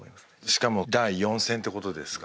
しかも第４戦ってことですからね。